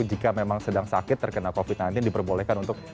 jika memang sedang sakit terkena covid nanti diperbolehkan untuk kematian